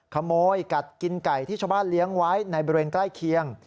ขโมยกัดกินไก่ที่ชาวบ้านเลี้ยงไว้ในบริเวณใกล้เคียง